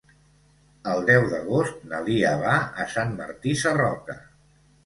El deu d'agost na Lia va a Sant Martí Sarroca.